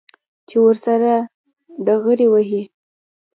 چې ورسره ډغرې ووهي.